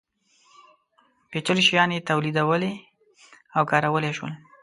پېچلي شیان یې تولیدولی او کارولی شول.